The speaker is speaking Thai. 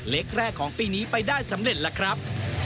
เล็กแรกของปีนี้ไปได้สำเร็จล่ะครับ